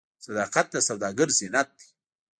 صداقت د سوداګر زینت دی.